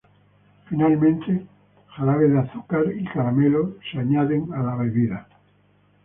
Finalmente, jarabe de azúcar y caramelo son añadidos a la bebida.